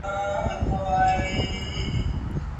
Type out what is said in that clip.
پريکړي به د قانون پر بنسټ پلي کيږي.